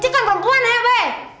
njikan perempuan ya be